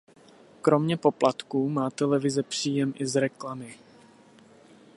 Kromě poplatků má televize příjem i z reklamy.